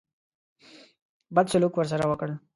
بد سلوک ورسره وکړ.